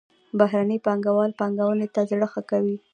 بهرني پانګوال پانګونې ته زړه ښه کوي.